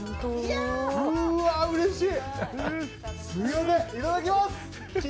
うーわ、うれしい。